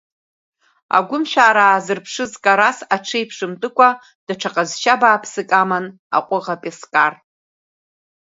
Агәымшәара аазырԥшыз Карас аҽеиԥшымтәыкәа, даҽа ҟазшьа бааԥсык аман Аҟәыӷа пескар.